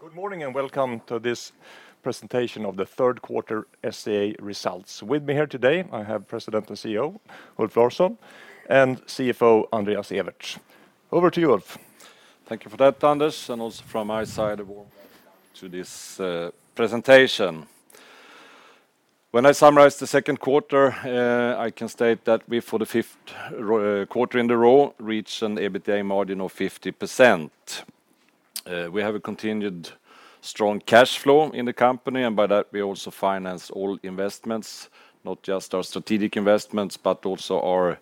Good morning and welcome to this presentation of the third quarter SCA results. With me here today, I have President and CEO, Ulf Larsson, and CFO, Andreas Ewertz. Over to you, Ulf. Thank you for that, Anders, and also from my side, a warm welcome to this presentation. When I summarize the second quarter, I can state that we, for the fifth quarter in a row, reached an EBITDA margin of 50%. We have a continued strong cash flow in the company, and by that, we also finance all investments, not just our strategic investments, but also our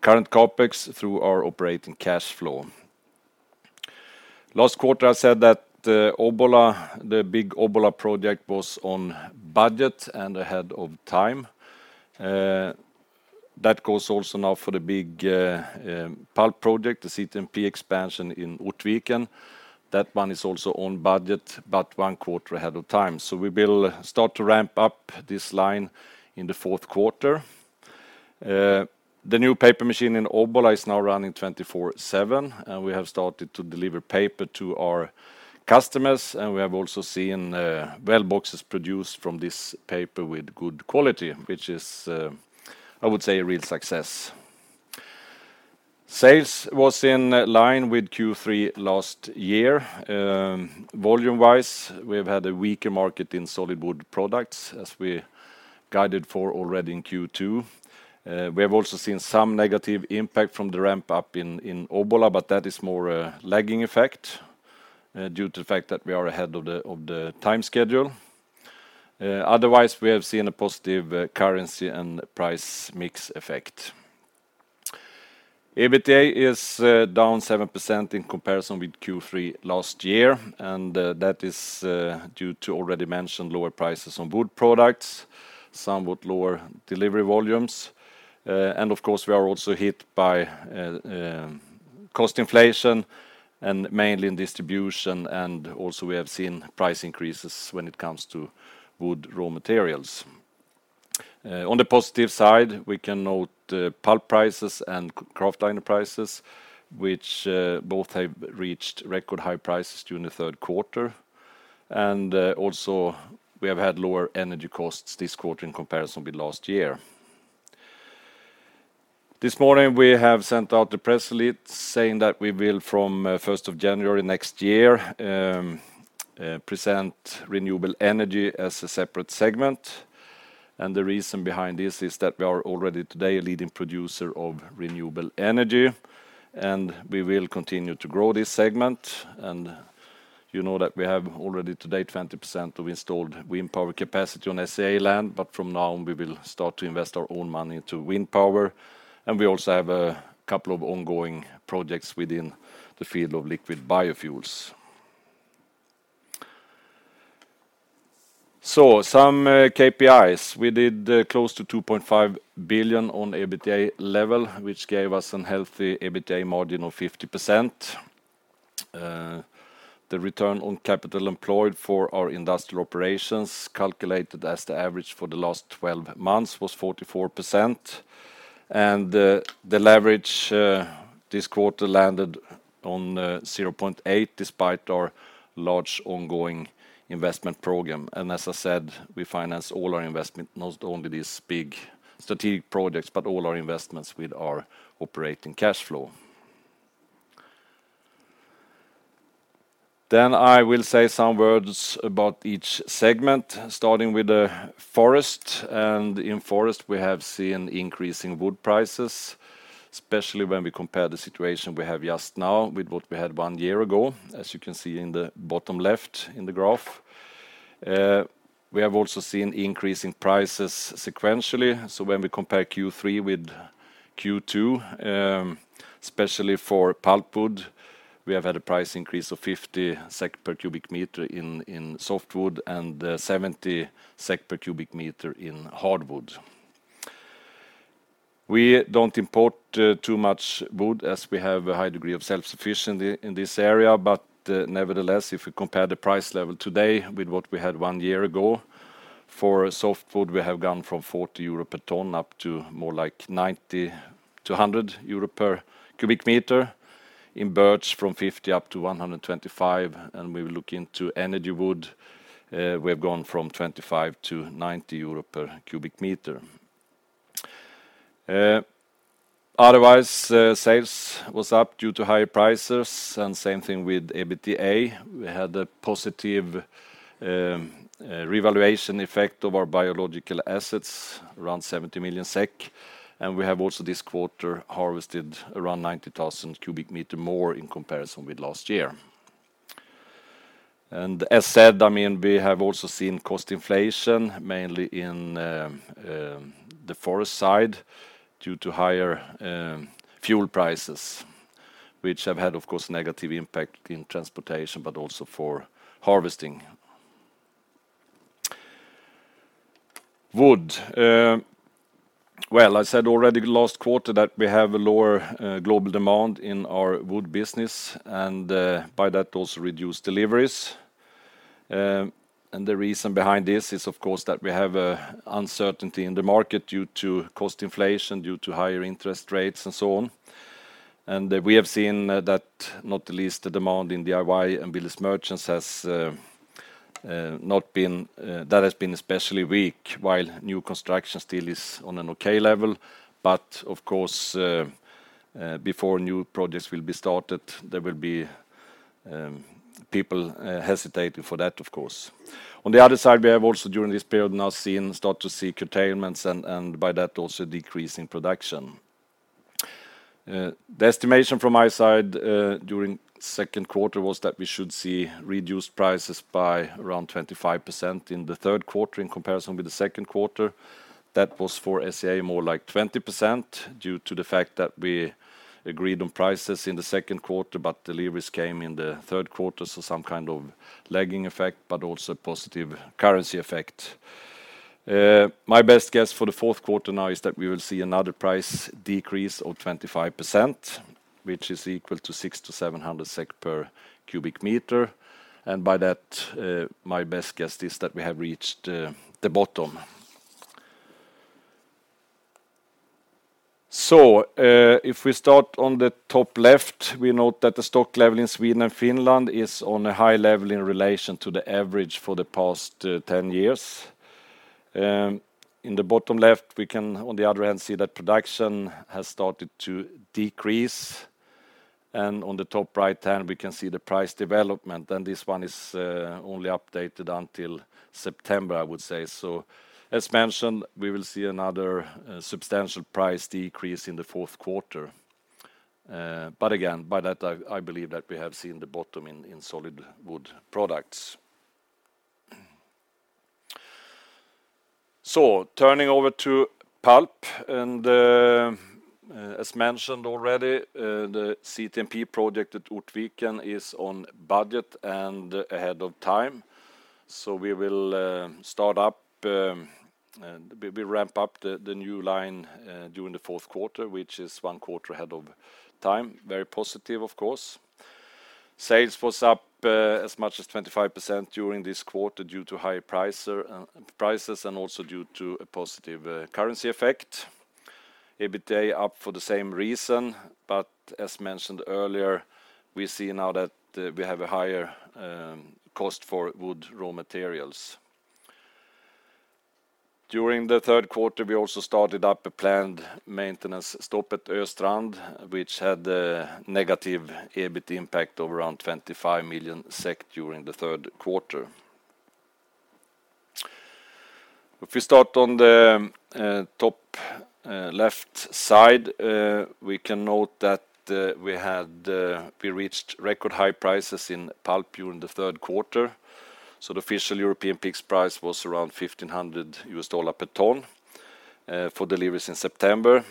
current CapEx through our operating cash flow. Last quarter, I said that, the big Obbola project, was on budget and ahead of time. That goes also now for the big pulp project, the CTMP expansion in Ortviken. That one is also on budget, but one quarter ahead of time. We will start to ramp up this line in the fourth quarter. The new paper machine in Obbola is now running 24/7, and we have started to deliver paper to our customers, and we have also seen, well, boxes produced from this paper with good quality, which is, I would say, a real success. Sales was in line with Q3 last year. Volume-wise, we've had a weaker market in solid wood products, as we guided for already in Q2. We have also seen some negative impact from the ramp-up in Obbola, but that is more a lagging effect, due to the fact that we are ahead of the time schedule. Otherwise, we have seen a positive currency and price mix effect. EBITDA is down 7% in comparison with Q3 last year, and that is due to already mentioned lower prices on wood products, somewhat lower delivery volumes, and of course, we are also hit by cost inflation and mainly in distribution, and also we have seen price increases when it comes to wood raw materials. On the positive side, we can note pulp prices and Kraftliner prices, which both have reached record high prices during the third quarter. Also, we have had lower energy costs this quarter in comparison with last year. This morning, we have sent out the press release saying that we will, from first of January next year, present renewable energy as a separate segment. The reason behind this is that we are already today a leading producer of renewable energy, and we will continue to grow this segment. You know that we have already today 20% of installed wind power capacity on SCA land, but from now, we will start to invest our own money into wind power. We also have a couple of ongoing projects within the field of liquid biofuels. Some KPIs. We did close to 2.5 billion on EBITDA level, which gave us a healthy EBITDA margin of 50%. The return on capital employed for our industrial operations, calculated as the average for the last 12 months, was 44%. The leverage this quarter landed on 0.8, despite our large ongoing investment program. As I said, we finance all our investment, not only these big strategic projects, but all our investments with our operating cash flow. I will say some words about each segment, starting with the Forest. In Forest, we have seen increasing wood prices, especially when we compare the situation we have just now with what we had one year ago, as you can see in the bottom left in the graph. We have also seen increasing prices sequentially. When we compare Q3 with Q2, especially for pulpwood, we have had a price increase of 50 SEK per cubic meter in softwood and 70 SEK per cubic meter in hardwood. We don't import too much wood as we have a high degree of self-sufficiency in this area, but nevertheless, if we compare the price level today with what we had one year ago, for softwood, we have gone from 40 euro per ton up to more like 90-100 euro per cubic meter. In birch, from 50 up to 125, and we look into energy wood, we have gone from 25-90 euro per cubic meter. Otherwise, sales was up due to higher prices, and same thing with EBITDA. We had a positive revaluation effect of our biological assets, around 70 million SEK. We have also this quarter harvested around 90,000 cubic meters more in comparison with last year. As said, I mean, we have also seen cost inflation, mainly in the forest side due to higher fuel prices, which have had, of course, negative impact in transportation, but also for harvesting wood. Well, I said already last quarter that we have a lower global demand in our wood business, and by that, also reduced deliveries. The reason behind this is, of course, that we have a uncertainty in the market due to cost inflation, due to higher interest rates, and so on. We have seen that not least the demand in DIY and builders merchants has not been especially weak while new construction still is on an okay level. Of course, before new projects will be started, there will be people hesitating for that, of course. On the other side, we have also during this period now seen curtailments and by that also decrease in production. The estimation from my side during second quarter was that we should see reduced prices by around 25% in the third quarter in comparison with the second quarter. That was for SCA more like 20% due to the fact that we agreed on prices in the second quarter, but deliveries came in the third quarter, so some kind of lagging effect, but also a positive currency effect. My best guess for the fourth quarter now is that we will see another price decrease of 25%, which is equal to 600-700 SEK per cubic meter. By that, my best guess is that we have reached the bottom. If we start on the top left, we note that the stock level in Sweden and Finland is on a high level in relation to the average for the past 10 years. In the bottom left, we can, on the other hand, see that production has started to decrease. On the top right-hand, we can see the price development, and this one is only updated until September, I would say. As mentioned, we will see another substantial price decrease in the fourth quarter. Again, by that I believe that we have seen the bottom in solid-wood products. Turning over to pulp, and as mentioned already, the CTMP project at Ortviken is on budget and ahead of time. We will start up we ramp up the new line during the fourth quarter, which is one quarter ahead of time. Very positive, of course. Sales was up as much as 25% during this quarter due to higher prices and also due to a positive currency effect. EBITDA up for the same reason, but as mentioned earlier, we see now that we have a higher cost for wood raw materials. During the third quarter, we also started up a planned maintenance stop at Östrand, which had a negative EBIT impact of around 25 million during the third quarter. If we start on the top left side, we can note that we reached record high prices in pulp during the third quarter. The official European peak price was around $1,500 per ton for deliveries in September.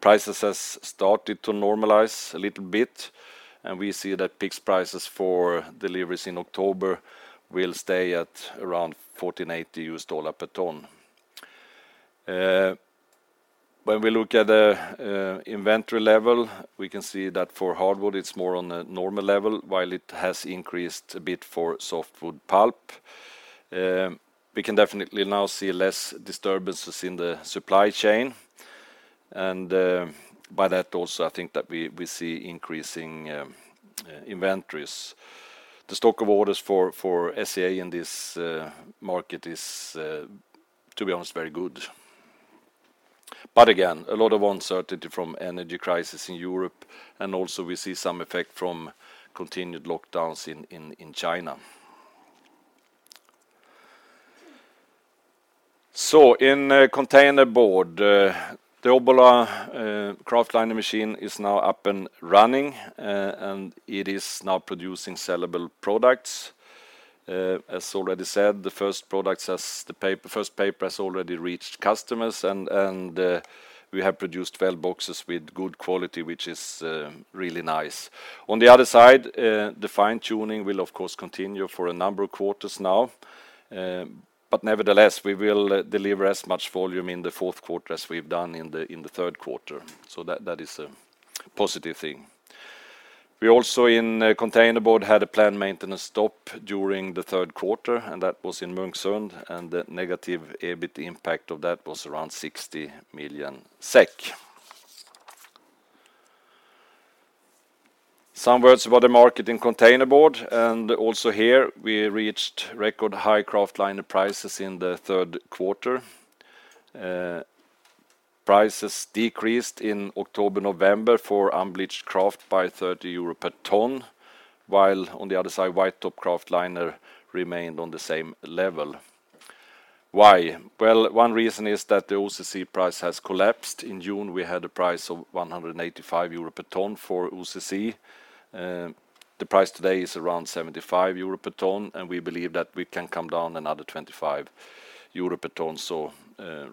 Prices has started to normalize a little bit, and we see that peak prices for deliveries in October will stay at around $1,480 per ton. When we look at the inventory level, we can see that for hardwood it's more on a normal level while it has increased a bit for softwood pulp. We can definitely now see less disturbances in the supply chain, and by that also I think that we see increasing inventories. The stock of orders for SCA in this market is, to be honest, very good. Again, a lot of uncertainty from energy crisis in Europe, and also we see some effect from continued lockdowns in China. In containerboard, the Obbola Kraftliner machine is now up and running, and it is now producing sellable products. As already said, the first paper has already reached customers and we have produced, well, boxes with good quality, which is really nice. On the other side, the fine-tuning will of course continue for a number of quarters now, but nevertheless, we will deliver as much volume in the fourth quarter as we've done in the third quarter. That is a positive thing. We also in containerboard had a planned maintenance stop during the third quarter, and that was in Munksund, and the negative EBIT impact of that was around 60 million SEK. Some words about the market in containerboard, and also here we reached record high Kraftliner prices in the third quarter. Prices decreased in October, November for unbleached kraft by 30 euro per ton, while on the other side, White Top Kraftliner remained on the same level. Why? Well, one reason is that the OCC price has collapsed. In June, we had a price of 185 euro per ton for OCC. The price today is around 75 euro per ton, and we believe that we can come down another 25 euro per ton, so,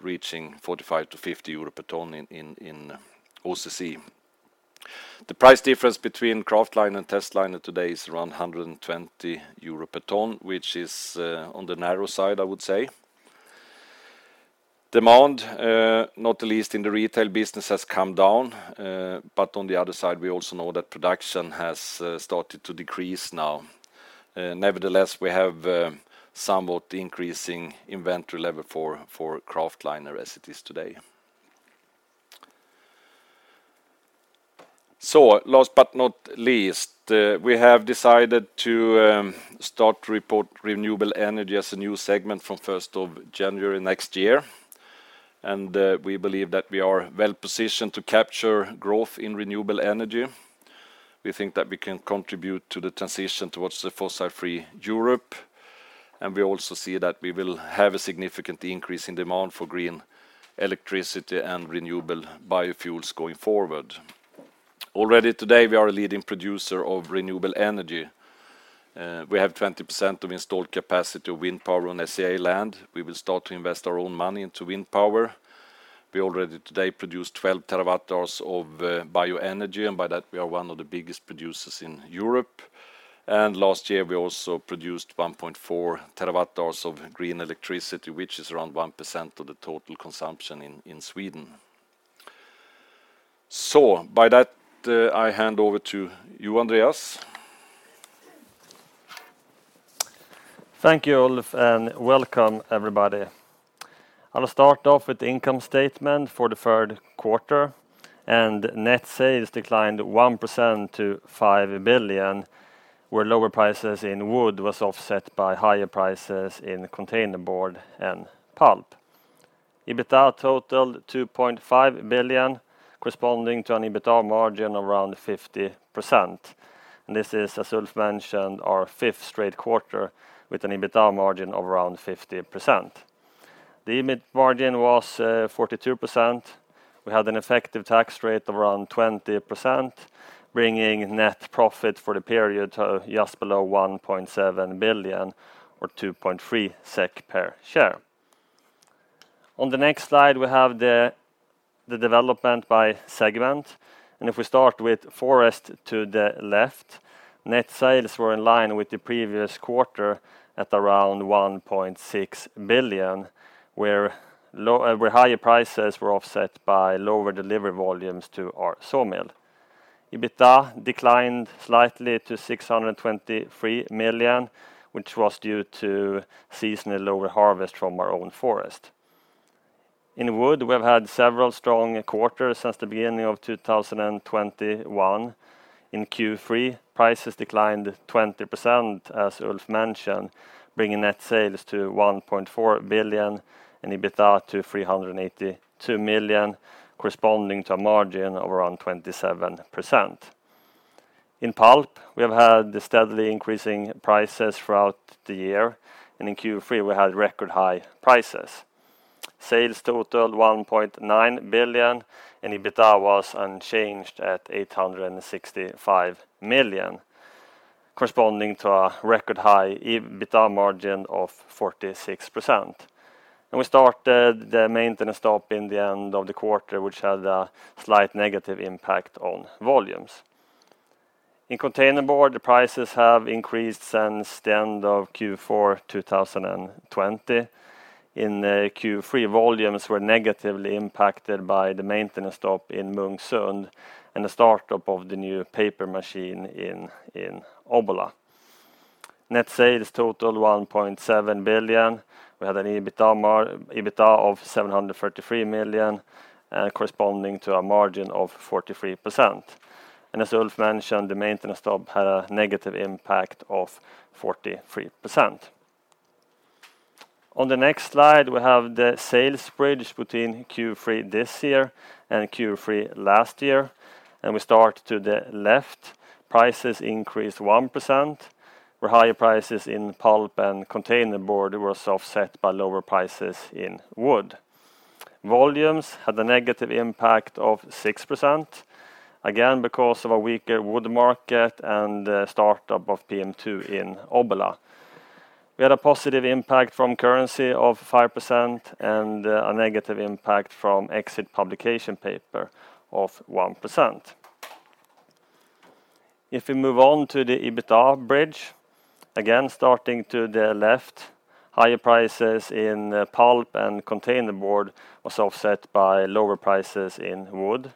reaching 45-50 euro per ton in OCC. The price difference between Kraftliner and testliner today is around 120 euro per ton, which is on the narrow side, I would say. Demand, not least in the retail business, has come down, but on the other side, we also know that production has started to decrease now. Nevertheless, we have somewhat increasing inventory level for Kraftliner as it is today. Last but not least, we have decided to start to report renewable energy as a new segment from January 1st next year. We believe that we are well-positioned to capture growth in renewable energy. We think that we can contribute to the transition towards the fossil-free Europe, and we also see that we will have a significant increase in demand for green electricity and renewable biofuels going forward. Already today, we are a leading producer of renewable energy. We have 20% of installed capacity of wind power on SCA land. We will start to invest our own money into wind power. We already today produce 12 TWh of bioenergy, and by that we are one of the biggest producers in Europe. Last year, we also produced 1.4 TWh of green electricity, which is around 1% of the total consumption in Sweden. By that, I hand over to you, Andreas. Thank you, Ulf, and welcome everybody. I'll start off with income statement for the third quarter, and net sales declined 1% to 5 billion, where lower prices in wood was offset by higher prices in containerboard and pulp. EBITDA totaled 2.5 billion, corresponding to an EBITDA margin of around 50%. This is, as Ulf mentioned, our fifth straight quarter with an EBITDA margin of around 50%. The EBIT margin was 42%. We had an effective tax rate of around 20%, bringing net profit for the period to just below 1.7 billion or 2.3 SEK per share. On the next slide, we have the development by segment, and if we start with forest to the left, net sales were in line with the previous quarter at around 1.6 billion, where higher prices were offset by lower delivery volumes to our sawmill. EBITDA declined slightly to 623 million, which was due to seasonally lower harvest from our own forest. In wood, we've had several strong quarters since the beginning of 2021. In Q3, prices declined 20%, as Ulf mentioned, bringing net sales to 1.4 billion and EBITDA to 382 million, corresponding to a margin of around 27%. In pulp, we have had steadily increasing prices throughout the year, and in Q3 we had record high prices. Sales totaled 1.9 billion, and EBITDA was unchanged at 865 million, corresponding to a record high EBITDA margin of 46%. We started the maintenance stop in the end of the quarter, which had a slight negative impact on volumes. In containerboard, the prices have increased since the end of Q4 2020. In Q3, volumes were negatively impacted by the maintenance stop in Munksund and the startup of the new paper machine in Obbola. Net sales totaled 1.7 billion. We had an EBITDA of 733 million, corresponding to a margin of 43%. As Ulf mentioned, the maintenance stop had a negative impact of 43%. On the next slide, we have the sales bridge between Q3 this year and Q3 last year, and we start to the left. Prices increased 1%, where higher prices in pulp and containerboard were offset by lower prices in wood. Volumes had a negative impact of 6%, again, because of a weaker wood market and the startup of PM2 in Obbola. We had a positive impact from currency of 5% and a negative impact from exit publication paper of 1%. If we move on to the EBITDA bridge, again starting to the left, higher prices in pulp and containerboard was offset by lower prices in wood.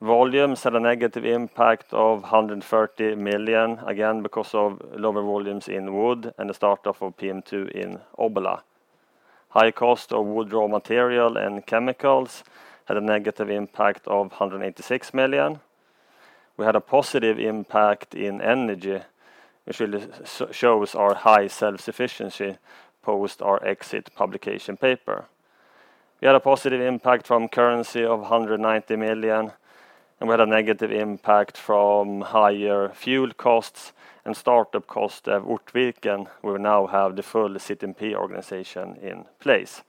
Volumes had a negative impact of 130 million, again, because of lower volumes in wood and the startup of PM2 in Obbola. High cost of wood raw material and chemicals had a negative impact of 186 million. We had a positive impact in energy, which really shows our high self-sufficiency post our exit publication paper. We had a positive impact from currency of 190 million, and we had a negative impact from higher fuel costs and startup cost at Ortviken. We now have the full CTMP organization in place.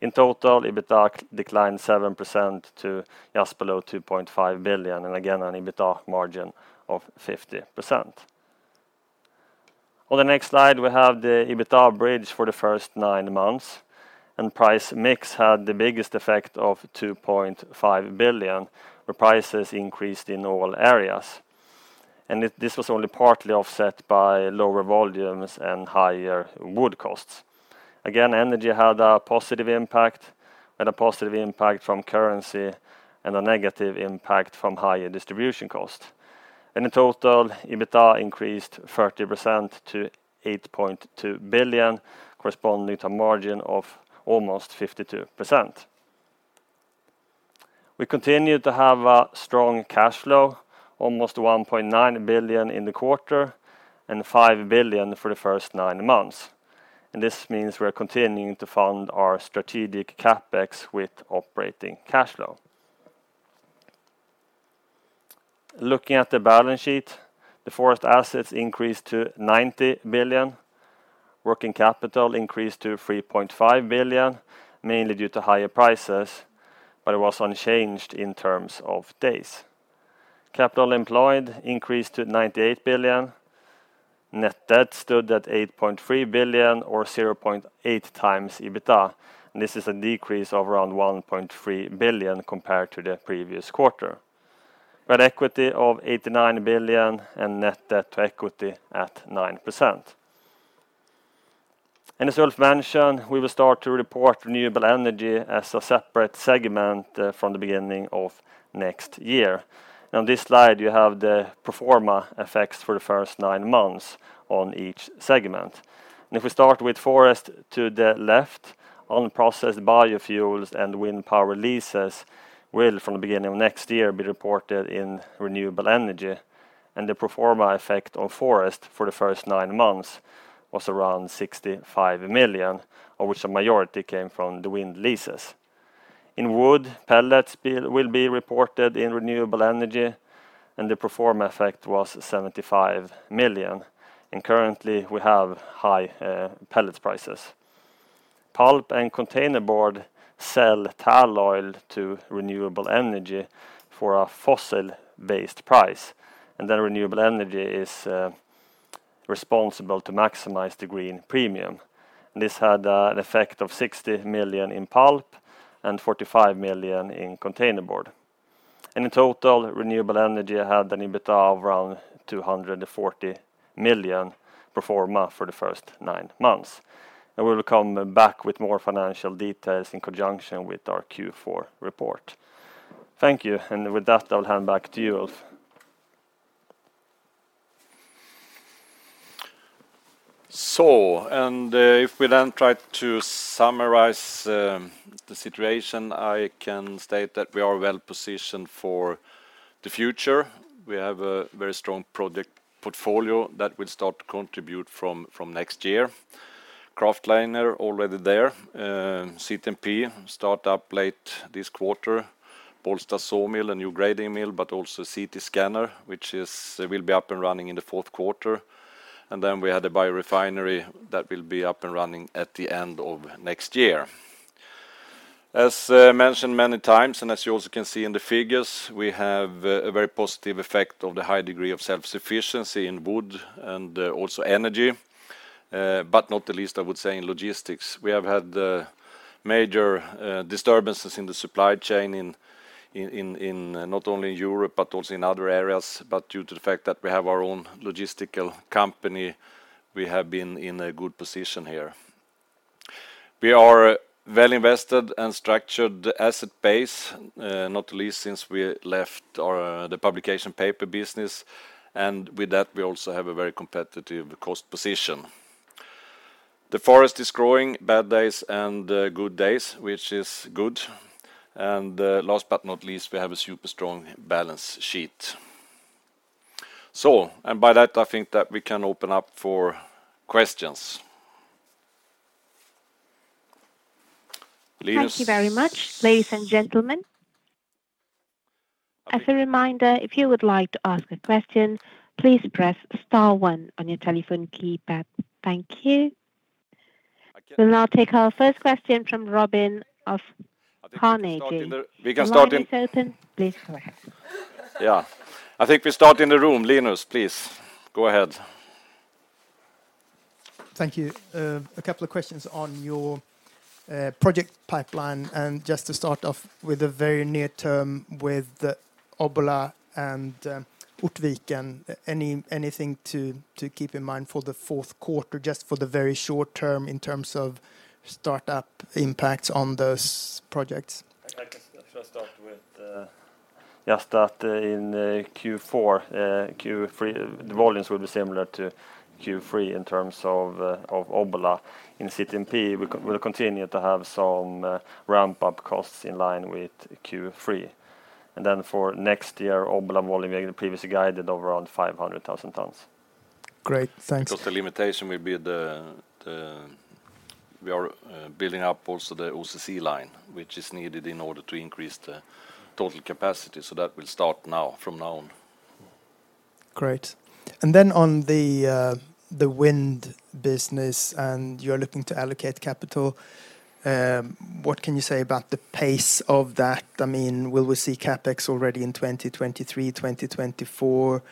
In total, EBITDA declined 7% to just below 2.5 billion, and again, an EBITDA margin of 50%. On the next slide, we have the EBITDA bridge for the first nine months, and price mix had the biggest effect of 2.5 billion, where prices increased in all areas. This was only partly offset by lower volumes and higher wood costs. Again, energy had a positive impact and a positive impact from currency, and a negative impact from higher distribution cost. In total, EBITDA increased 30% to 8.2 billion, corresponding to a margin of almost 52%. We continue to have a strong cash flow, almost 1.9 billion in the quarter and 5 billion for the first nine months, and this means we are continuing to fund our strategic CapEx with operating cash flow. Looking at the balance sheet, the forest assets increased to 90 billion. Working capital increased to 3.5 billion, mainly due to higher prices, but it was unchanged in terms of days. Capital employed increased to 98 billion. Net debt stood at 8.3 billion or 0.8x EBITDA, and this is a decrease of around 1.3 billion compared to the previous quarter. We had equity of 89 billion and net debt to equity at 9%. As Ulf mentioned, we will start to report renewable energy as a separate segment from the beginning of next year. On this slide, you have the pro forma effects for the first nine months on each segment. If we start with forest to the left, unprocessed biofuels and wind power leases will, from the beginning of next year, be reported in renewable energy, and the pro forma effect on forest for the first nine months was around 65 million, of which the majority came from the wind leases. In wood, pellets will be reported in renewable energy, and the pro forma effect was 75 million, and currently we have high pellets prices. Pulp and containerboard sell tall oil to renewable energy for a fossil-based price, and then renewable energy is responsible to maximize the green premium. This had an effect of 60 million in pulp and 45 million in containerboard. In total, renewable energy had an EBITDA of around 240 million pro forma for the first nine months. We'll come back with more financial details in conjunction with our Q4 report. Thank you, and with that, I'll hand back to you, Ulf. If we then try to summarize the situation, I can state that we are well-positioned for the future. We have a very strong project portfolio that will start to contribute from next year. Kraftliner already there. CTMP start up late this quarter. Bålsta sawmill, a new grading mill, but also CT scanner, which will be up and running in the fourth quarter. We have the biorefinery that will be up and running at the end of next year. As mentioned many times, and as you also can see in the figures, we have a very positive effect of the high degree of self-sufficiency in wood and also energy, but not the least, I would say, in logistics. We have had major disturbances in the supply chain in not only Europe, but also in other areas. Due to the fact that we have our own logistical company, we have been in a good position here. We are well invested and structured asset base, not the least since we left our the publication paper business, and with that, we also have a very competitive cost position. The forest is growing, bad days and good days, which is good. Last but not least, we have a super strong balance sheet. By that, I think that we can open up for questions. Linus? Thank you very much, ladies and gentlemen. As a reminder, if you would like to ask a question, please press star one on your telephone keypad. Thank you. We'll now take our first question from Robin Santavirta of Carnegie. We can start in The line is open. Please go ahead. Yeah. I think we start in the room. Linus, please go ahead. Thank you. A couple of questions on your project pipeline, and just to start off with the very near term with Obbola and Ortviken. Anything to keep in mind for the fourth quarter, just for the very short term in terms of startup impacts on those projects? If I start with just that in Q4, the volumes will be similar to Q3 in terms of Obbola. In CTMP, we'll continue to have some ramp-up costs in line with Q3. Then for next year, Obbola volume, we previously guided around 500,000 tons. Great. Thanks. We are building up also the OCC line, which is needed in order to increase the total capacity, so that will start now, from now on. Great. Then on the wind business, you're looking to allocate capital, what can you say about the pace of that? I mean, will we see CapEx already in 2023, 2024?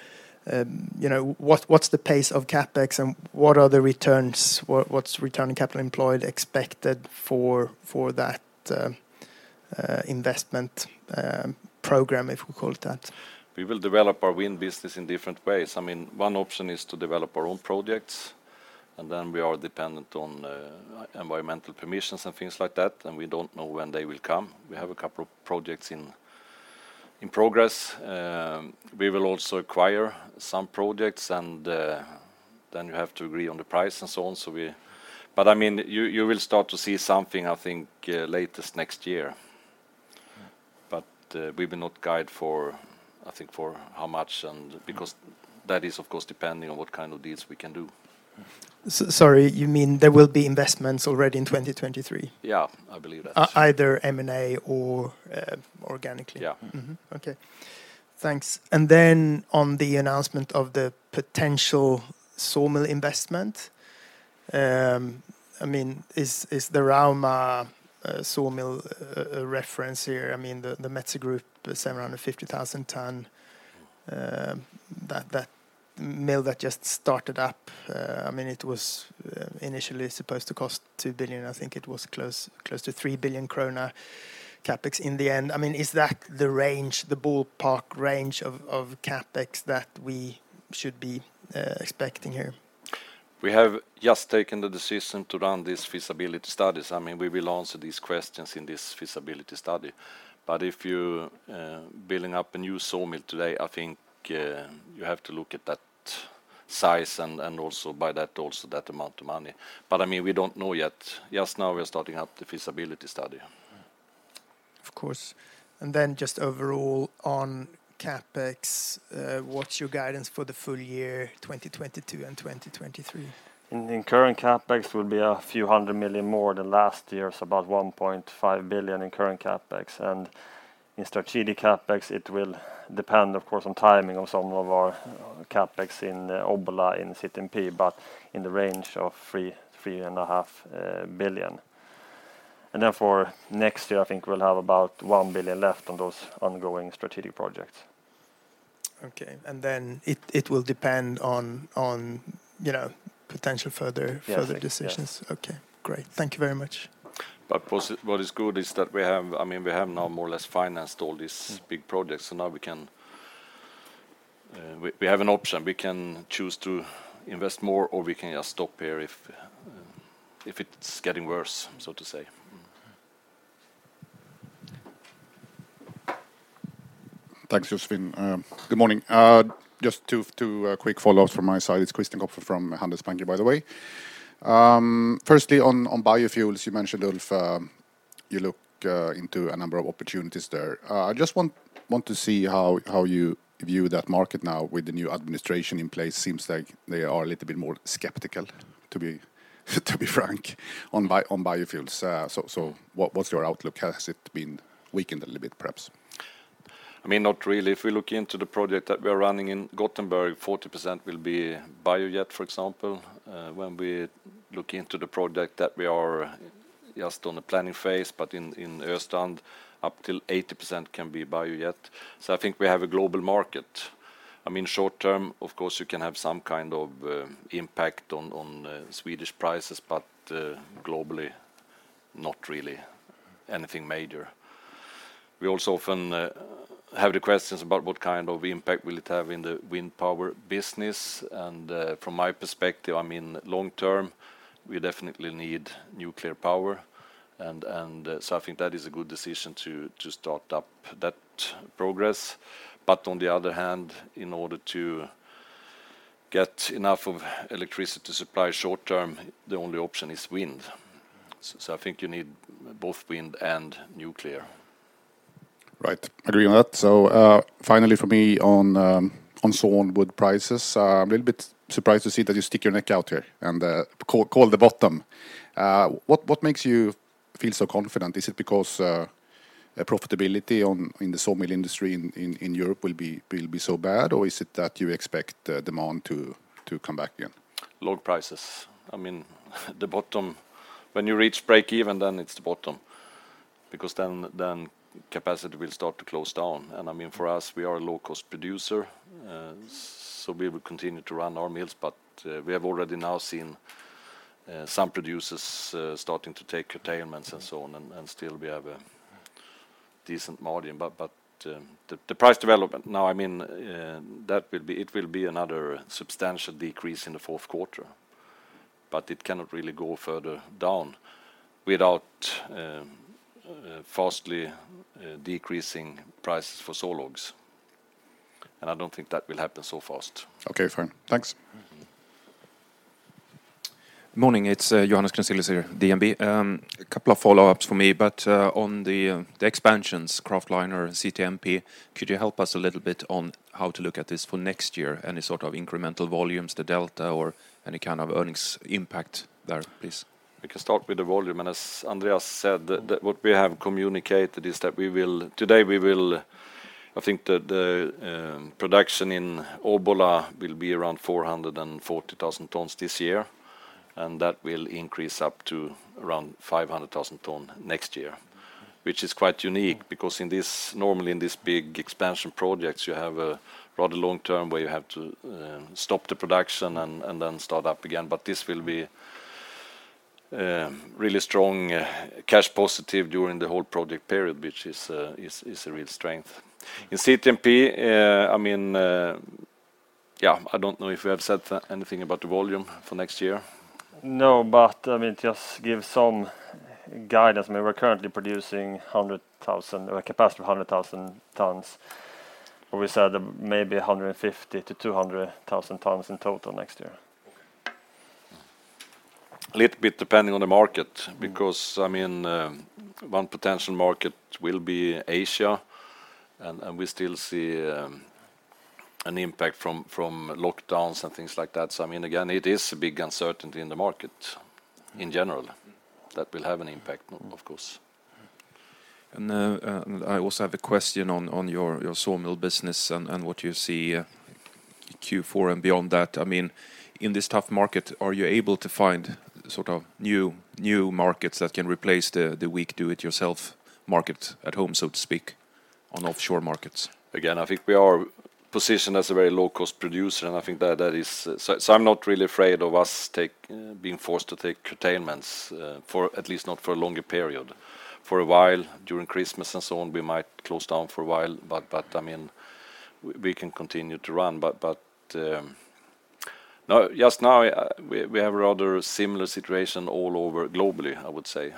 You know, what's the pace of CapEx, and what are the returns? What's return on capital employed expected for that investment program, if we call it that? We will develop our wind business in different ways. I mean, one option is to develop our own projects, and then we are dependent on environmental permissions and things like that, and we don't know when they will come. We have a couple of projects in progress, we will also acquire some projects and then you have to agree on the price and so on. I mean, you will start to see something I think, latest next year. We will not guide for, I think for how much and because that is, of course, depending on what kind of deals we can do. Sorry, you mean there will be investments already in 2023? Yeah, I believe that. Either M&A or organically? Yeah. Okay. Thanks. On the announcement of the potential sawmill investment, I mean, is the Rauma sawmill a reference here? I mean, the Metsä Group, let's say around a 50,000-ton mill that just started up, I mean, it was initially supposed to cost 2 billion. I think it was close to 3 billion krona CapEx in the end. I mean, is that the range, the ballpark range of CapEx that we should be expecting here? We have just taken the decision to run these feasibility studies. I mean, we will answer these questions in this feasibility study. If you're building up a new sawmill today, I think, you have to look at that size and also by that also that amount of money. I mean, we don't know yet. Just now we're starting up the feasibility study. Of course. Just overall on CapEx, what's your guidance for the full year 2022 and 2023? Current CapEx will be a few hundred million more than last year, so about 1.5 billion in current CapEx. In strategic CapEx, it will depend, of course, on timing of some of our CapEx in Obbola, in CTMP, but in the range of 3 billion-3.5 billion. For next year, I think we'll have about 1 billion left on those ongoing strategic projects. Okay. It will depend on, you know, potential further. Yeah Further decisions. Yeah. Okay, great. Thank you very much. What is good is that we have, I mean, we have now more or less financed all these big projects, so now we can, we have an option. We can choose to invest more, or we can just stop here if it's getting worse, so to say. Mm-hmm. Thanks, Josefin. Good morning. Just two quick follow-ups from my side. It's Christian Kopfer from Handelsbanken, by the way. Firstly, on biofuels, you mentioned, Ulf, you look into a number of opportunities there. I just want to see how you view that market now with the new administration in place. Seems like they are a little bit more skeptical, to be frank, on biofuels. What's your outlook? Has it been weakened a little bit, perhaps? I mean, not really. If we look into the project that we are running in Gothenburg, 40% will be biojet, for example. When we look into the project that we are just in the planning phase, but in Östrand, up till 80% can be biojet. I think we have a global market. I mean, short term, of course, you can have some kind of impact on Swedish prices, but globally, not really anything major. We also often have the questions about what kind of impact will it have in the wind power business, and from my perspective, I mean, long term, we definitely need nuclear power, and so I think that is a good decision to start up that progress. On the other hand, in order to get enough of electricity supply short term, the only option is wind. I think you need both wind and nuclear. Right. Agree on that. Finally for me on sawn wood prices, I'm a little bit surprised to see that you stick your neck out here and call the bottom. What makes you feel so confident? Is it because profitability in the sawmill industry in Europe will be so bad, or is it that you expect the demand to come back again? Log prices. I mean, the bottom, when you reach breakeven, then it's the bottom because then capacity will start to close down. I mean, for us, we are a low-cost producer, so we will continue to run our mills, but we have already now seen some producers starting to take curtailments and so on, and still we have a decent margin. The price development now, I mean, that will be, it will be another substantial decrease in the fourth quarter, but it cannot really go further down without quickly decreasing prices for sawlogs, and I don't think that will happen so fast. Okay, fine. Thanks. Mm-hmm. Morning. It's Johannes Grunselius here, DNB. A couple of follow-ups for me, but on the expansions, Kraftliner, CTMP, could you help us a little bit on how to look at this for next year? Any sort of incremental volumes, the delta, or any kind of earnings impact there, please? We can start with the volume, and as Andreas said, what we have communicated is that today, I think the production in Obbola will be around 440,000 tons this year, and that will increase up to around 500,000 ton next year, which is quite unique because normally in this big expansion projects, you have a rather long term where you have to stop the production and then start up again. This will be really strong cash positive during the whole project period, which is a real strength. In CTMP, I mean, I don't know if we have said anything about the volume for next year. No, I mean, just give some guidance. I mean, we're currently producing 100,000 or a capacity of 100,000 tons, where we said maybe 150,000 tons-200,000 tons in total next year. A little bit depending on the market, because, I mean, one potential market will be Asia, and we still see an impact from lockdowns and things like that. I mean, again, it is a big uncertainty in the market in general that will have an impact, of course. I also have a question on your sawmill business and what you see Q4 and beyond that. I mean, in this tough market, are you able to find sort of new markets that can replace the weak do it yourself market at home, so to speak, on offshore markets? Again, I think we are positioned as a very low-cost producer, and I think that is. I'm not really afraid of us being forced to take curtailments, for at least not for a longer period. For a while, during Christmas and so on, we might close down for a while, but I mean, we can continue to run. No, just now, we have a rather similar situation all over globally, I would say.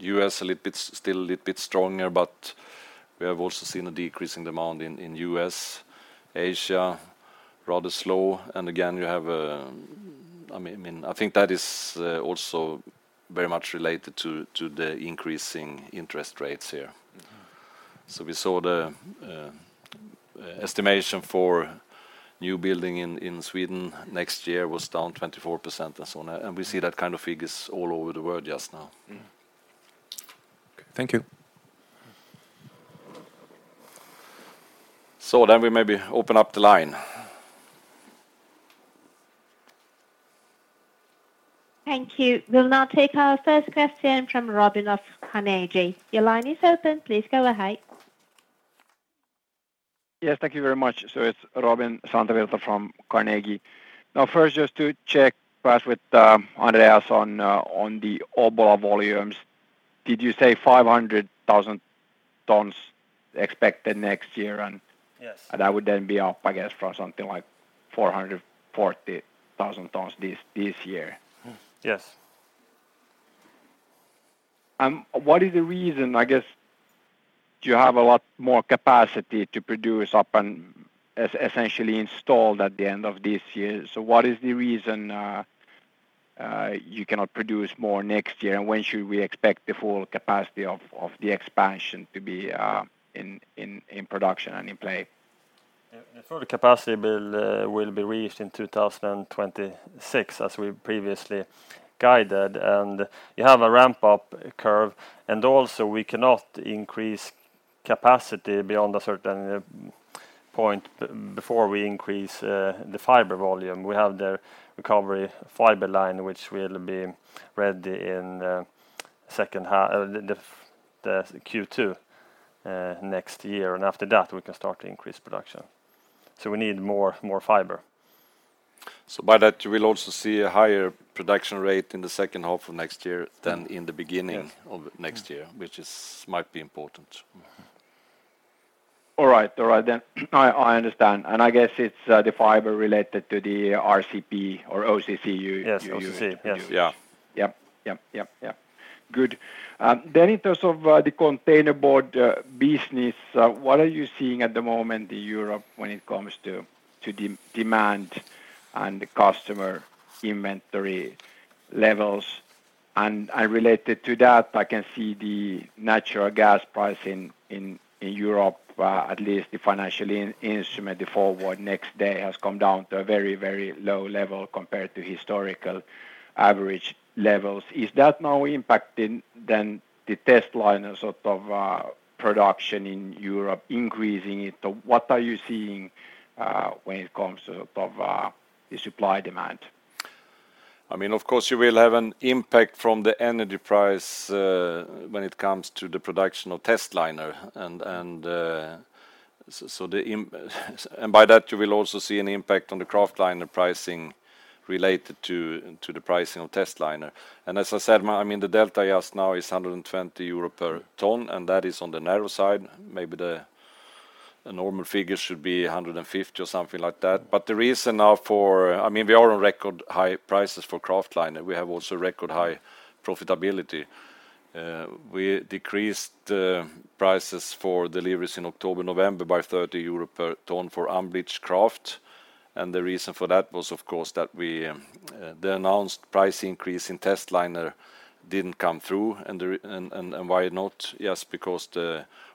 U.S. a little bit, still a little bit stronger, but we have also seen a decrease in demand in U.S. Asia, rather slow. Again, you have, I mean, I think that is also very much related to the increasing interest rates here. We saw the estimation for new building in Sweden next year was down 24% or so, and we see that kind of figures all over the world just now. Thank you. We maybe open up the line. Thank you. We'll now take our first question from Robin of Carnegie. Your line is open. Please go ahead. Yes, thank you very much. It's Robin Santavirta from Carnegie. Now, first, just to check perhaps with Andreas on the Obbola volumes. Did you say 500,000 tons expected next year? Yes that would then be up, I guess, from something like 440,000 tons this year? Yes What is the reason, I guess, do you have a lot more capacity to produce up and essentially installed at the end of this year? What is the reason you cannot produce more next year? When should we expect the full capacity of the expansion to be in production and in play? The full capacity build will be reached in 2026, as we previously guided, and you have a ramp-up curve. Also we cannot increase capacity beyond a certain point before we increase the fiber volume. We have the recovery fiber line, which will be ready in the Q2 next year. After that, we can start to increase production. We need more fiber. By that, you will also see a higher production rate in the second half of next year than in the beginning of next year, which might be important. All right. All right then. I understand, and I guess it's the fiber related to the RCP or OCC you. Yes, OCC, yes. Yeah. Yep. Good. In terms of the containerboard business, what are you seeing at the moment in Europe when it comes to demand and the customer inventory levels? Related to that, I can see the natural gas price in Europe, at least the financial instrument, the forward next day, has come down to a very, very low level compared to historical average levels. Is that now impacting the testliner sort of production in Europe, increasing it? What are you seeing when it comes to the supply demand? I mean, of course you will have an impact from the energy price, when it comes to the production of testliner. By that, you will also see an impact on the Kraftliner pricing related to the pricing of testliner. As I said, I mean, the delta just now is 120 euro per ton, and that is on the narrow side. Maybe the normal figure should be 150 or something like that. The reason now is, I mean, we are on record high prices for Kraftliner. We have also record high profitability. We decreased prices for deliveries in October, November by 30 euro per ton for unbleached kraft. The reason for that was, of course, that the announced price increase in testliner didn't come through. Why not? Yes, because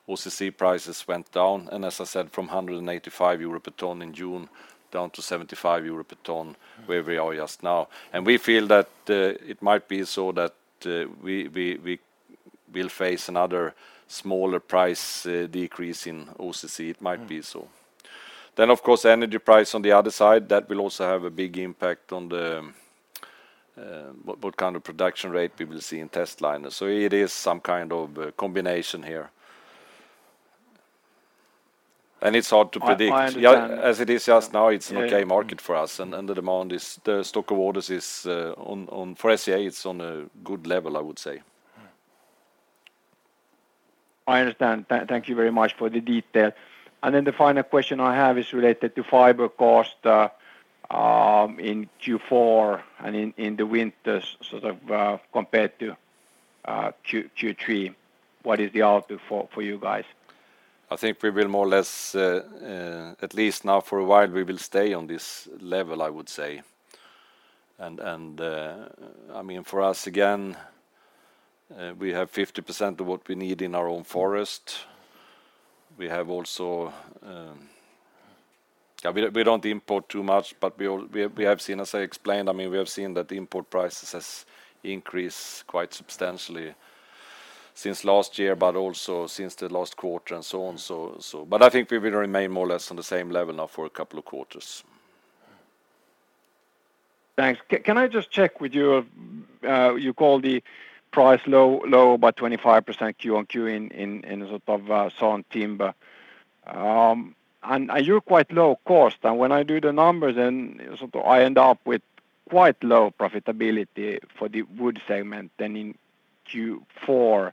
the OCC prices went down, and as I said, from 185 euro a ton in June down to 75 euro a ton where we are just now. We feel that it might be so that we will face another smaller price decrease in OCC. It might be so. Of course, energy price on the other side, that will also have a big impact on the what kind of production rate we will see in testliner. It is some kind of a combination here. It's hard to predict. I understand. Yeah. As it is just now, it's an okay market for us, and the demand is, the stock of orders is on for SCA, it's on a good level, I would say. I understand. Thank you very much for the detail. The final question I have is related to fiber cost in Q4 and in the winter sort of compared to Q3. What is the output for you guys? I think we will more or less, at least now for a while, we will stay on this level, I would say. I mean, for us again, we have 50% of what we need in our own forest. We have also. Yeah, we don't import too much, but we have seen, as I explained, I mean, we have seen that the import prices has increased quite substantially since last year, but also since the last quarter and so on, so. I think we will remain more or less on the same level now for a couple of quarters. Thanks. Can I just check with you call the price low about 25% QoQ in sort of sawn timber. You're quite low cost. When I do the numbers, then sort of I end up with quite low profitability for the wood segment then in Q4,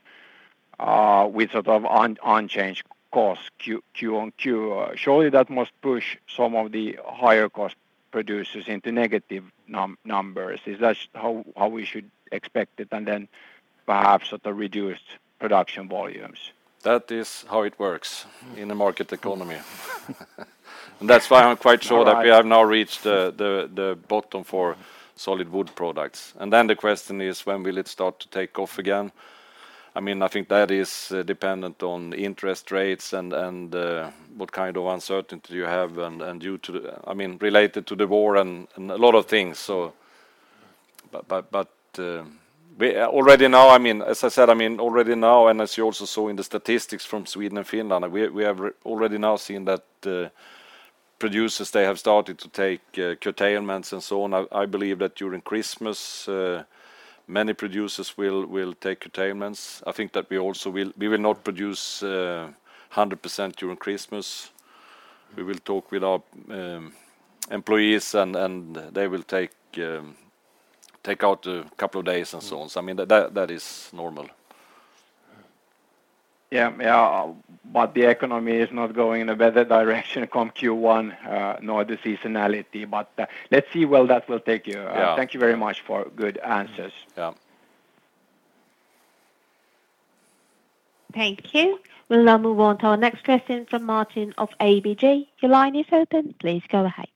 with sort of unchanged cost QoQ. Surely, that must push some of the higher cost producers into negative numbers. Is that how we should expect it, and then perhaps at the reduced production volumes? That is how it works in a market economy. That's why I'm quite sure that we have now reached the bottom for solid-wood products. Then the question is, when will it start to take off again? I mean, I think that is dependent on interest rates and what kind of uncertainty you have and I mean, related to the war and a lot of things. Already now, I mean, as I said, already now, and as you also saw in the statistics from Sweden and Finland, we have already now seen that producers they have started to take curtailments and so on. I believe that during Christmas, many producers will take curtailments.I think that we will not produce 100% during Christmas. We will talk with our employees and they will take out a couple of days and so on. I mean, that is normal. Yeah. The economy is not going in a better direction come Q1, nor the seasonality. Let's see where that will take you. Yeah. Thank you very much for good answers. Yeah. Thank you. We'll now move on to our next question from Martin of ABG. Your line is open. Please go ahead.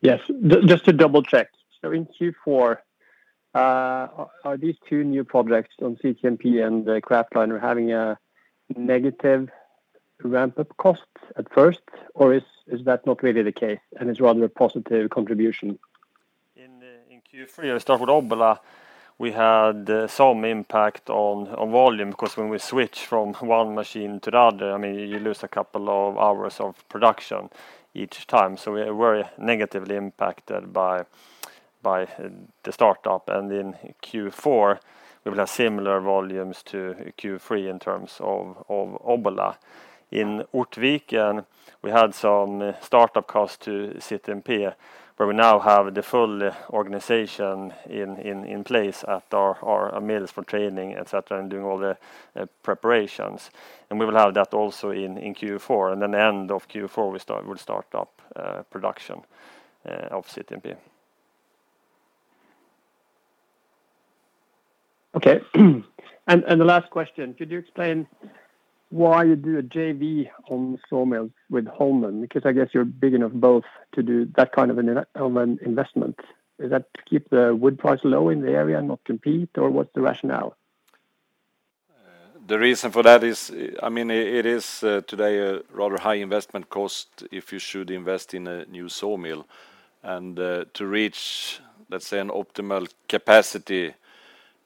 Yes. Just to double-check. In Q4, are these two new projects on CTMP and the Kraftliner having a negative ramp-up cost at first, or is that not really the case, and it's rather a positive contribution? In Q3, I start with Obbola. We had some impact on volume because when we switch from one machine to the other, I mean, you lose a couple of hours of production each time. We're negatively impacted by the startup. In Q4, we will have similar volumes to Q3 in terms of Obbola. In Ortviken, we had some startup costs to CTMP, but we now have the full organization in place at our mills for training, et cetera, and doing all the preparations. We will have that also in Q4. The end of Q4, we'll start up production of CTMP. Okay. The last question, could you explain why you do a JV on sawmills with Holmen? Because I guess you're big enough both to do that kind of an investment. Is that to keep the wood price low in the area and not compete, or what's the rationale? The reason for that is, I mean, it is today a rather high investment cost if you should invest in a new sawmill. To reach, let's say, an optimal capacity,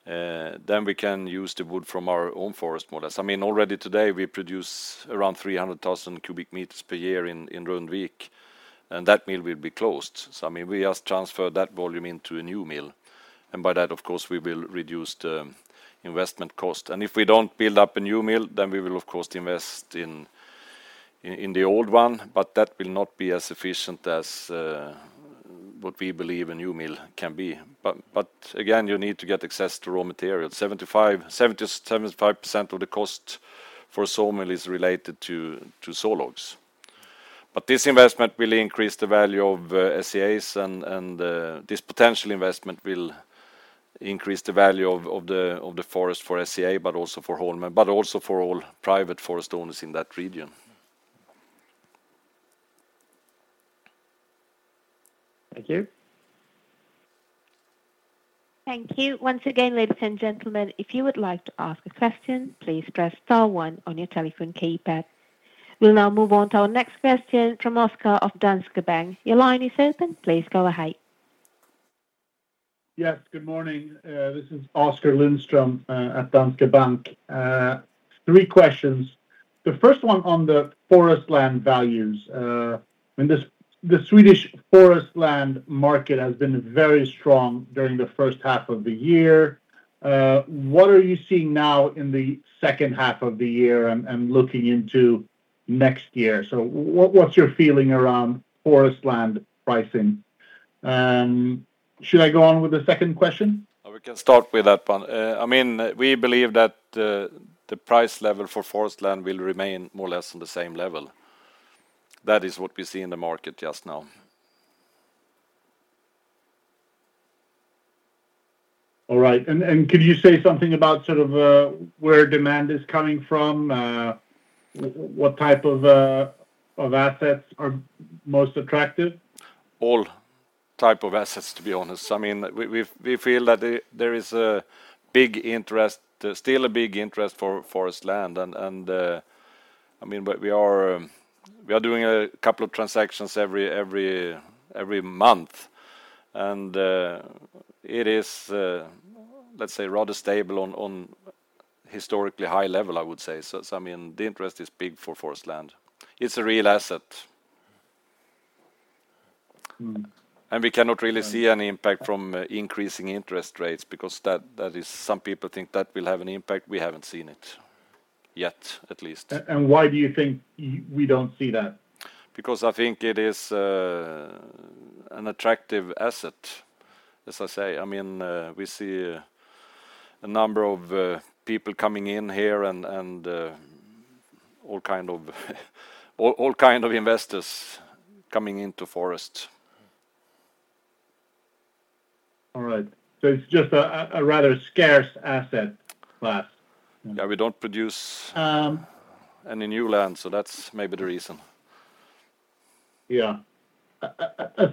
then we can use the wood from our own forest models. I mean, already today, we produce around 300,000 cubic meters per year in Rönnvik, and that mill will be closed. I mean, we just transfer that volume into a new mill. By that, of course, we will reduce the investment cost. If we don't build up a new mill, then we will of course invest in the old one, but that will not be as efficient as what we believe a new mill can be. Again, you need to get access to raw material. 70%-75% of the cost for a sawmill is related to sawlogs. This potential investment will increase the value of the forest for SCA, but also for Holmen, but also for all private forest owners in that region. Thank you. Thank you. Once again, ladies and gentlemen, if you would like to ask a question, please press star one on your telephone keypad. We'll now move on to our next question from Oskar of Danske Bank. Your line is open. Please go ahead. Yes. Good morning. This is Oskar Lindström at Danske Bank. Three questions. The first one on the forest land values. When the Swedish forest land market has been very strong during the first half of the year, what are you seeing now in the second half of the year and looking into next year? What's your feeling around forest land pricing? Should I go on with the second question? Oh, we can start with that one. I mean, we believe that the price level for forest land will remain more or less on the same level. That is what we see in the market just now. All right. Could you say something about sort of where demand is coming from? What type of assets are most attractive? All types of assets, to be honest. I mean, we feel that there is a big interest. There's still a big interest for forest land, and I mean, but we are doing a couple of transactions every month, and it is, let's say, rather stable on historically high level, I would say. I mean, the interest is big for forest land. It's a real asset. Mm. We cannot really see any impact from increasing interest rates because that is some people think that will have an impact. We haven't seen it yet, at least. Why do you think we don't see that? Because I think it is an attractive asset, as I say. I mean, we see a number of people coming in here and all kind of investors coming into forest. All right. It's just a rather scarce asset class. Yeah, we don't produce. Uhm. Any new land. That's maybe the reason. Yeah.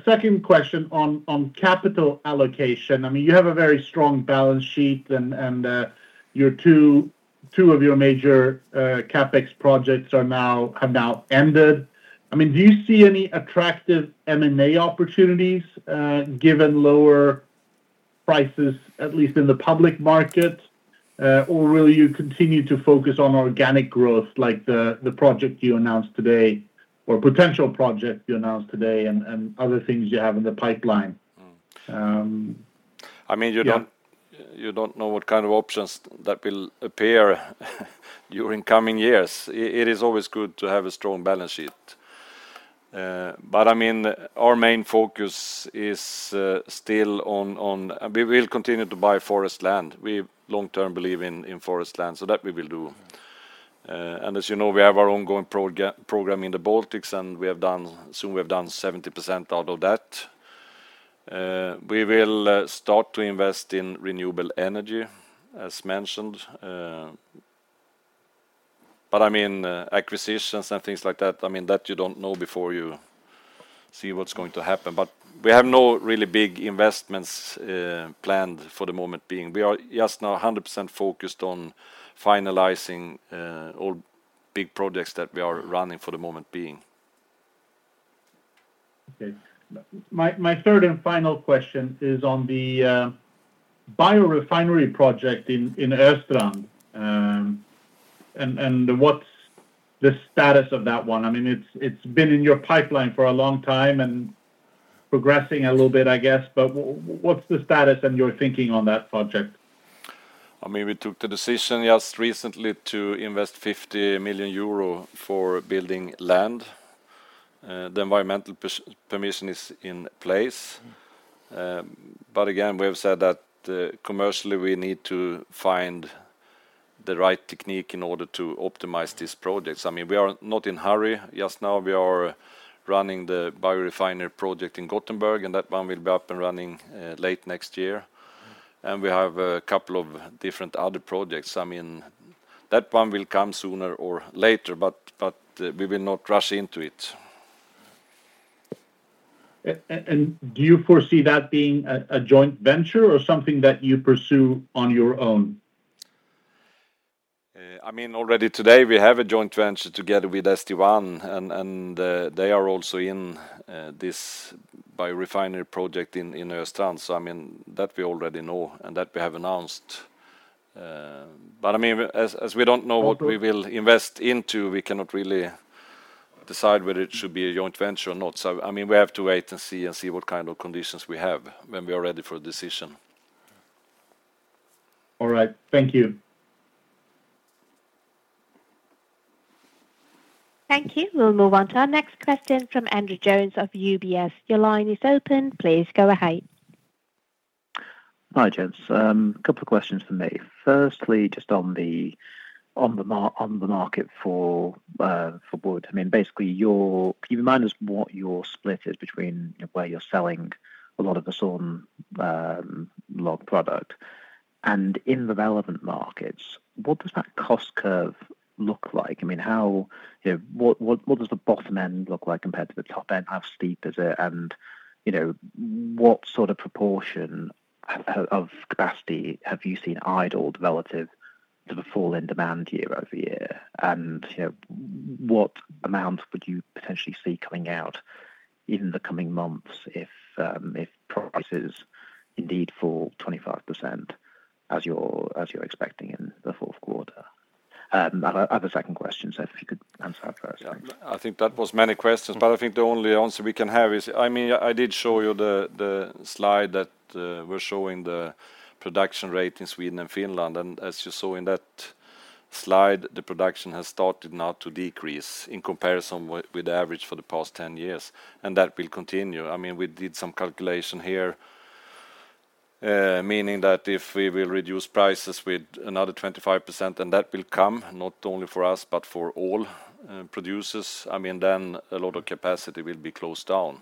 Second question on capital allocation. I mean, you have a very strong balance sheet and your two of your major CapEx projects have now ended. I mean, do you see any attractive M&A opportunities given lower prices, at least in the public market? Or will you continue to focus on organic growth like the project you announced today or potential project you announced today and other things you have in the pipeline? I mean. Yeah You don't know what kind of options that will appear during coming years. It is always good to have a strong balance sheet. Our main focus is still on. We will continue to buy forest land. We long-term believe in forest land, so that we will do. As you know, we have our ongoing program in the Baltics, and we have done, soon we have done 70% out of that. We will start to invest in renewable energy, as mentioned. Acquisitions and things like that, I mean, that you don't know before you see what's going to happen. We have no really big investments planned for the moment being. We are just now 100% focused on finalizing all big projects that we are running for the moment being. Okay. My third and final question is on the biorefinery project in Östrand. What's the status of that one? I mean, it's been in your pipeline for a long time and progressing a little bit, I guess, but what's the status and your thinking on that project? I mean, we took the decision just recently to invest 50 million euro for building land. The environmental permission is in place. Again, we have said that, commercially, we need to find the right technique in order to optimize this project. I mean, we are not in hurry just now. We are running the biorefinery project in Gothenburg, and that one will be up and running, late next year. We have a couple of different other projects. I mean, that one will come sooner or later, but we will not rush into it. Do you foresee that being a joint venture or something that you pursue on your own? I mean, already today we have a joint venture together with St1 and they are also in this biorefinery project in Östrand. I mean, that we already know, and that we have announced. I mean, we don't know what we will invest into, we cannot really decide whether it should be a joint venture or not. I mean, we have to wait and see what kind of conditions we have when we are ready for a decision. All right. Thank you. Thank you. We'll move on to our next question from Andrew Jones of UBS. Your line is open. Please go ahead. Hi, gents. A couple of questions from me. Firstly, just on the market for wood. I mean, basically, can you remind us what your split is between where you're selling a lot of the sawn log product? In the relevant markets, what does that cost curve look like? I mean, how, you know, what does the bottom end look like compared to the top end? How steep is it? You know, what sort of proportion of capacity have you seen idled relative to the fall in demand year-over-year? You know, what amount would you potentially see coming out in the coming months if prices indeed fall 25% as you're expecting in the fourth quarter? I have a second question, so if you could answer that first. I think that was many questions, but I think the only answer we can have is, I mean, I did show you the slide that we're showing the production rate in Sweden and Finland. As you saw in that slide, the production has started now to decrease in comparison with the average for the past 10 years, and that will continue. I mean, we did some calculation here, meaning that if we will reduce prices with another 25%, and that will come not only for us, but for all producers, I mean, then a lot of capacity will be closed down.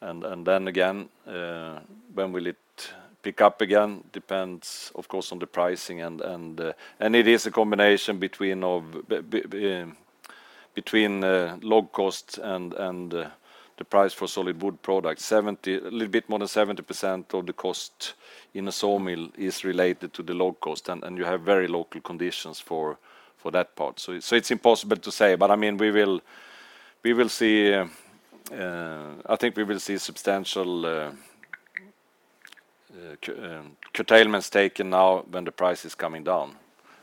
Then again, when will it pick up again? Depends, of course, on the pricing and. It is a combination between log costs and the price for solid wood products. A little bit more than 70% of the cost in a saw mill is related to the log cost, and you have very local conditions for that part. It's impossible to say. I mean, we will see substantial curtailments taken now when the price is coming down,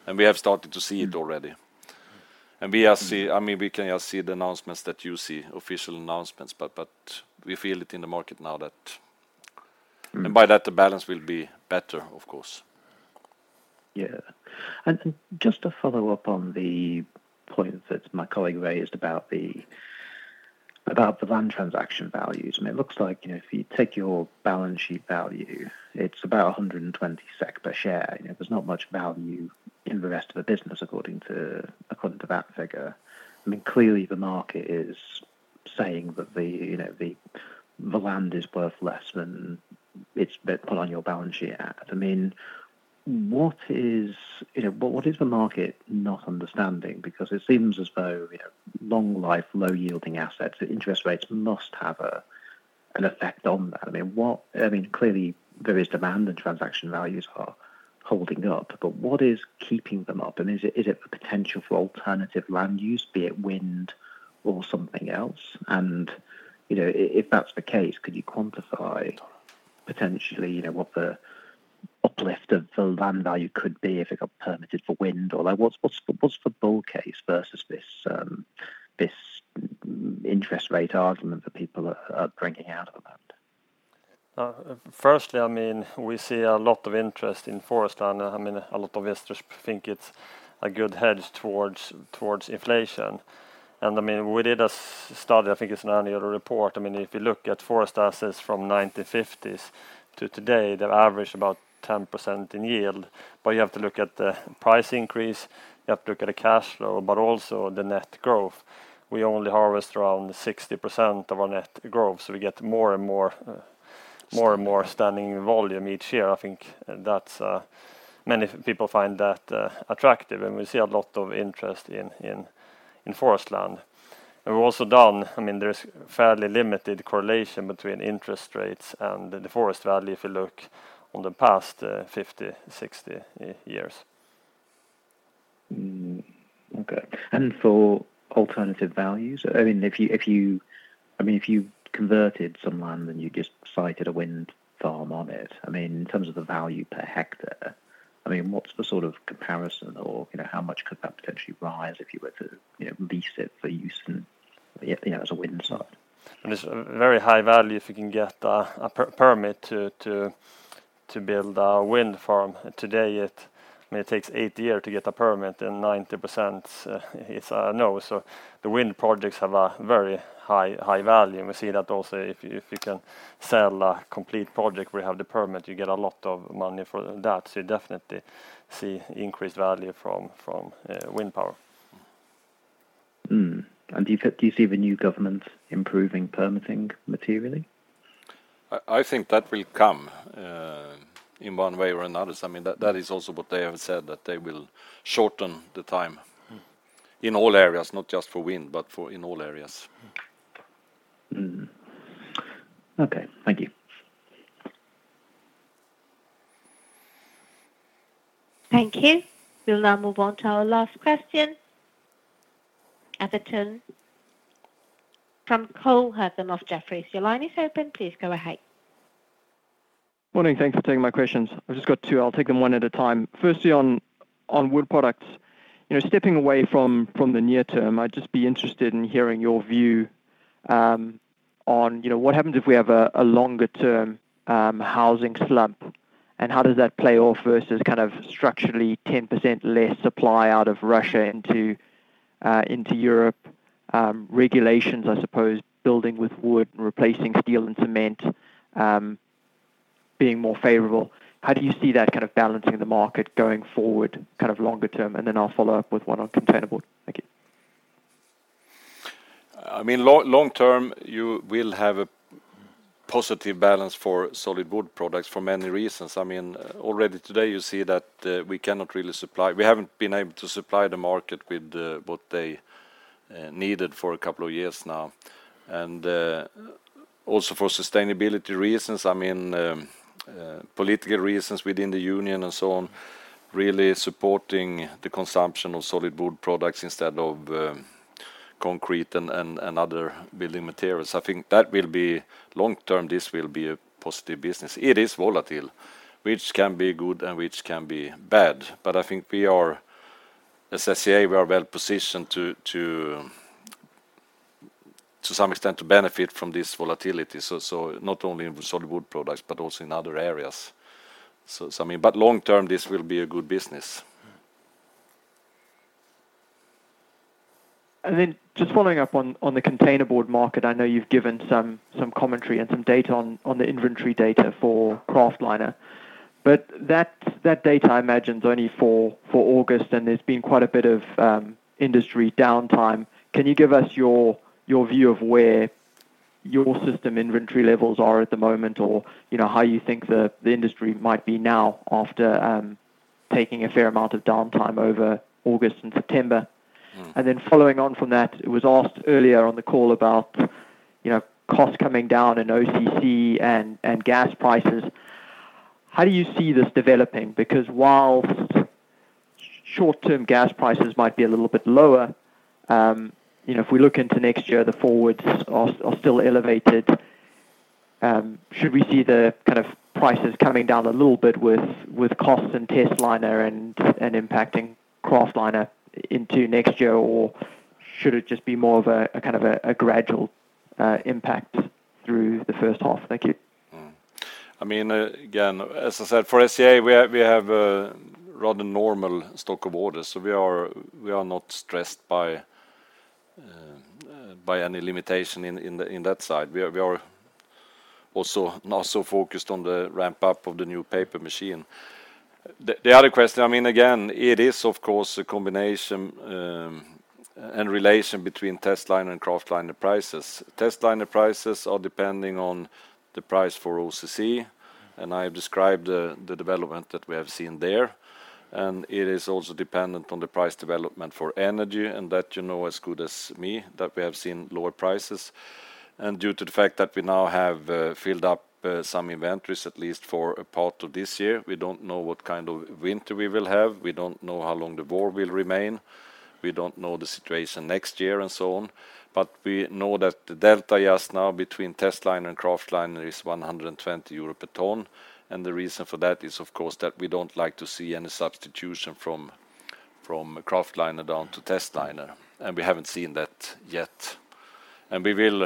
and we have started to see it already. Mm-hmm. I mean, we can now see the announcements that you see, official announcements, but we feel it in the market now that. Mm-hmm. By that, the balance will be better, of course. Yeah. Just to follow up on the point that my colleague raised about the land transaction values, I mean, it looks like, you know, if you take your balance sheet value, it's about 120 SEK per share. You know, there's not much value in the rest of the business according to that figure. I mean, clearly the market is saying that the, you know, the land is worth less than it's been put on your balance sheet at. I mean, what is, you know, what is the market not understanding? Because it seems as though, you know, long life, low yielding assets, the interest rates must have an effect on that. I mean, clearly there is demand and transaction values are holding up, but what is keeping them up? Is it the potential for alternative land use, be it wind or something else? You know, if that's the case, could you quantify potentially, you know, what the uplift of the land value could be if it got permitted for wind? Or like, what's the bull case versus this interest rate argument that people are drinking out of that? First, I mean, we see a lot of interest in forest land. I mean, a lot of investors think it's a good hedge towards inflation. I mean, we did a study, I think it's in our annual report. I mean, if you look at forest assets from 1950s to today, they've averaged about 10% in yield. You have to look at the price increase, you have to look at the cash flow, but also the net growth. We only harvest around 60% of our net growth, so we get more and more standing volume each year. I think that's many people find that attractive, and we see a lot of interest in forest land. We've also done, I mean, there's fairly limited correlation between interest rates and the forest value if you look at the past 50, 60 years. Okay. For alternative values, I mean, if you converted some land and you just sited a wind farm on it, I mean, in terms of the value per hectare, I mean, what's the sort of comparison or, you know, how much could that potentially rise if you were to, you know, lease it for use in, you know, as a wind site? I mean, it's a very high value if you can get a permit to build a wind farm. Today, I mean, it takes eight years to get a permit, and 90% is a no. The wind projects have a very high value. We see that also if you can sell a complete project where you have the permit, you get a lot of money for that. You definitely see increased value from wind power. Do you see the new government improving permitting materially? I think that will come in one way or another. I mean, that is also what they have said, that they will shorten the time. Mm-hmm. In all areas, not just for wind, but in all areas. Okay. Thank you. Thank you. We'll now move on to our last question. At the tone from Cole Hathorn of Jefferies, your line is open. Please go ahead. Morning. Thanks for taking my questions. I've just got two. I'll take them one at a time. Firstly, on wood products, you know, stepping away from the near term, I'd just be interested in hearing your view, on, you know, what happens if we have a longer term housing slump, and how does that play off versus kind of structurally 10% less supply out of Russia into Europe, regulations, I suppose, building with wood and replacing steel and cement being more favorable. How do you see that kind of balancing the market going forward kind of longer term? And then I'll follow up with one on containerboard. Thank you. I mean, long term, you will have a positive balance for solid wood products for many reasons. I mean, already today you see that. We haven't been able to supply the market with what they needed for a couple of years now. Also for sustainability reasons, I mean, political reasons within the Union and so on, really supporting the consumption of solid wood products instead of concrete and other building materials. I mean, I think that will be long term, this will be a positive business. It is volatile, which can be good and which can be bad. I think we are, as SCA, well positioned to some extent to benefit from this volatility. Not only in solid wood products, but also in other areas. I mean, but long term, this will be a good business. Just following up on the containerboard market, I know you've given some commentary and some data on the inventory data for Kraftliner. That data I imagine is only for August, and there's been quite a bit of industry downtime. Can you give us your view of where your system inventory levels are at the moment, or, you know, how you think the industry might be now after taking a fair amount of downtime over August and September. Following on from that, it was asked earlier on the call about, you know, costs coming down in OCC and gas prices. How do you see this developing? Because while short-term gas prices might be a little bit lower, you know, if we look into next year, the forwards are still elevated. Should we see the kind of prices coming down a little bit with costs and testliner and impacting Kraftliner into next year, or should it just be more of a kind of a gradual impact through the first half? Thank you. I mean, again, as I said, for SCA, we have a rather normal stock of orders, so we are not stressed by any limitation in that side. We are also now so focused on the ramp up of the new paper machine. The other question, I mean, again, it is of course a combination and relation between testliner and Kraftliner prices. Testliner prices are depending on the price for OCC, and I have described the development that we have seen there. It is also dependent on the price development for energy, and that you know as good as me, that we have seen lower prices. Due to the fact that we now have filled up some inventories at least for a part of this year, we don't know what kind of winter we will have. We don't know how long the war will remain. We don't know the situation next year and so on. We know that the delta just now between testliner and Kraftliner is 120 euro per ton. The reason for that is of course that we don't like to see any substitution from Kraftliner down to testliner, and we haven't seen that yet. We will,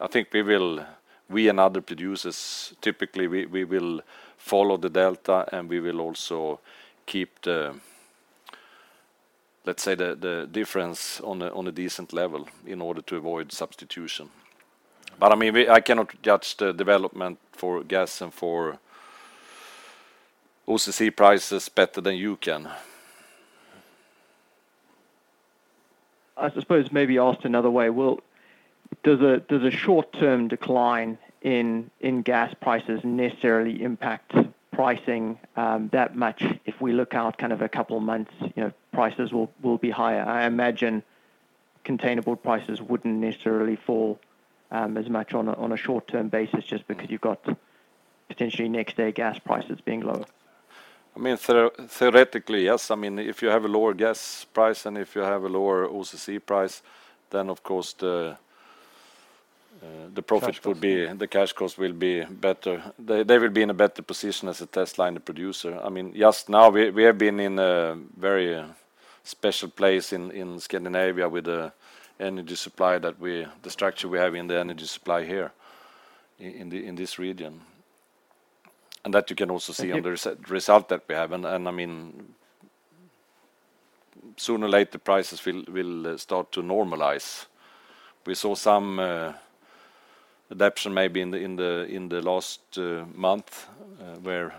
I think we will, we and other producers, typically, we will follow the delta, and we will also keep the, let's say, the difference on a decent level in order to avoid substitution. I mean, I cannot judge the development for gas and for OCC prices better than you can. I suppose maybe asked another way, does a short-term decline in gas prices necessarily impact pricing that much if we look out kind of a couple of months, you know, prices will be higher? I imagine containerboard prices wouldn't necessarily fall as much on a short-term basis just because you've got potentially next day gas prices being lower. I mean, theoretically, yes. I mean, if you have a lower gas price and if you have a lower OCC price, then of course the profit will be the cash cost will be better. They will be in a better position as a testliner producer. I mean, just now, we have been in a very special place in Scandinavia with the energy supply. The structure we have in the energy supply here in the in this region. That you can also see. Mm-hmm On the result that we have. I mean, sooner or later, prices will start to normalize. We saw some adaptation maybe in the last month, where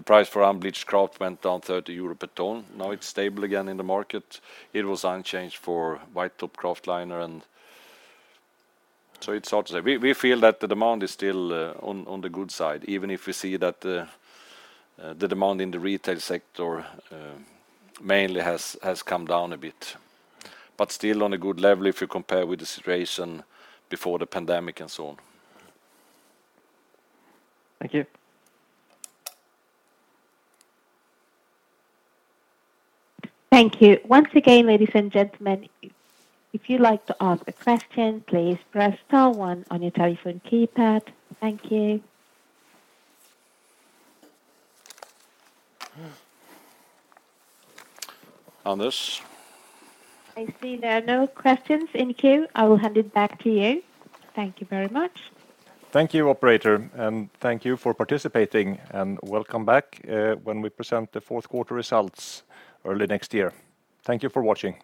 the price for unbleached kraft went down 30 euro per ton. Now it's stable again in the market. It was unchanged for White Top Kraftliner and so it's hard to say. We feel that the demand is still on the good side, even if we see that the demand in the retail sector mainly has come down a bit. Still on a good level if you compare with the situation before the pandemic and so on. Thank you. Thank you. Once again, ladies and gentlemen, if you'd like to ask a question, please press star one on your telephone keypad. Thank you. Andreas. I see there are no questions in queue. I will hand it back to you. Thank you very much. Thank you, operator, and thank you for participating, and welcome back, when we present the fourth quarter results early next year. Thank you for watching.